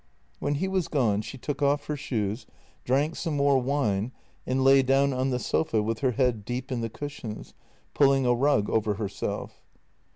When he was gone she took off her shoes, drank some more wine, and lay down on the sofa with her head deep in the cushions, pulling a rug over herself.